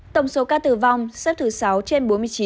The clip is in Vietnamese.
tổng số ca tử vong xếp thứ sáu trên bốn mươi chín